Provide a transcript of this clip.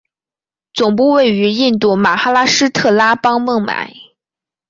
总部位于印度马哈拉施特拉邦孟买。